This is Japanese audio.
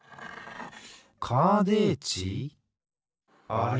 あれ？